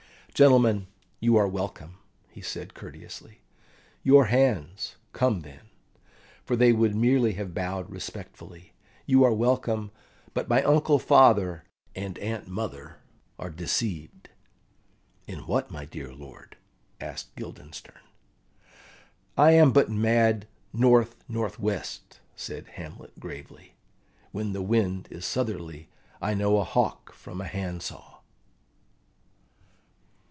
"Gentlemen, you are welcome," he said courteously. "Your hands, come then" for they would merely have bowed respectfully. "You are welcome; but my uncle father and aunt mother are deceived." "In what, my dear lord?" asked Guildenstern. "I am but mad north north west," said Hamlet gravely: "when the wind is southerly I know a hawk from a handsaw."